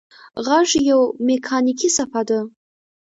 غږ یوه مکانیکي څپه ده.